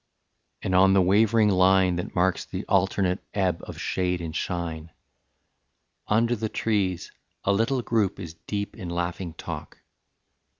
And on the wavering line That marks the alternate ebb of shade and shine, Under the trees, a little group is deep In laughing talk.